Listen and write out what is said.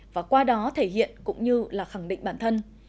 và qua đó thể hiện cũng như là khẳng định bản thân